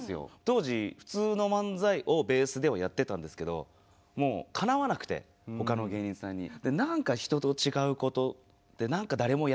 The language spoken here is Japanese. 当時普通の漫才をベースではやってたんですけどもうかなわなくて他の芸人さんに。